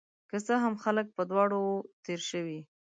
که څه هم، خلک په دواړو وو تیر شوي